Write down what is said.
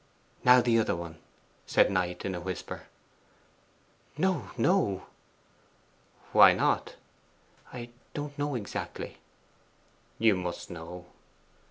'Now the other,' said Knight in a whisper. 'No, no.' 'Why not?' 'I don't know exactly.' 'You must know.